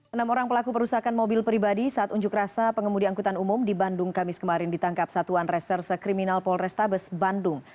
enam orang pelaku perusakan mobil pribadi saat unjuk rasa pengemudi angkutan umum di bandung kamis kemarin ditangkap satuan reserse kriminal polrestabes bandung